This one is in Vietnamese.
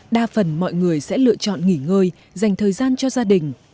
đa phần mọi người sẽ lựa chọn nghỉ ngơi dành thời gian cho gia đình